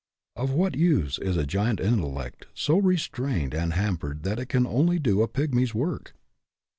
Of what use is a giant intellect so restrained and hampered that it can only do a pygmy's work